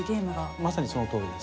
まさにそのとおりです。